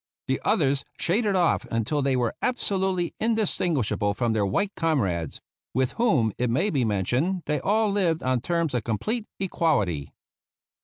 The others shaded off until they were absolutely indistinguishable from their white comrades; with whom, it maybe mentioned, they all lived on terms of complete equality.